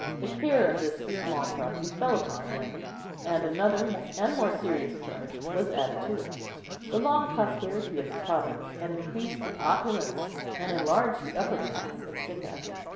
The care of this small property fell upon him, and another and more serious charge was added to it. The long prosperity of the province had increased the opulence and enlarged the upper class of Sicca.